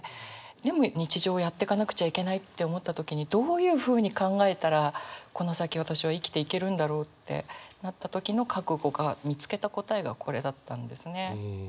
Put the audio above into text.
でも日常やってかなくちゃいけないって思った時にどういうふうに考えたらこの先私は生きていけるんだろうってなった時の覚悟が見つけた答えがこれだったんですね。